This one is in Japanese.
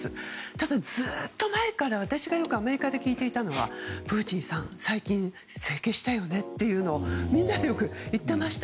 多分、ずっと前から私がよくアメリカで聞いていたのはプーチンさん、最近整形したよねっていうのをみんなでよく言っていました。